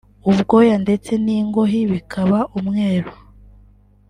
ubwoya ndetse n’ingohi bikaba umweru